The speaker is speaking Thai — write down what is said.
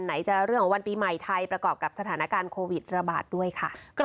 จะเรื่องของวันปีใหม่ไทยประกอบกับสถานการณ์โควิดระบาดด้วยค่ะ